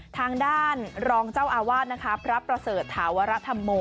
ทางด้านรองเจ้าอาวาสนะคะพระประเสริฐถาวรธรรมโม